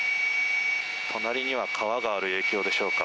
隣には川がある影響でしょうか。